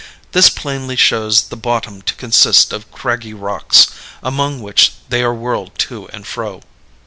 This plainly shows the bottom to consist of craggy rocks, among which they are whirled to and fro."